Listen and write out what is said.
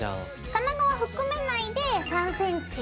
金具を含めないで３ｃｍ。ＯＫ。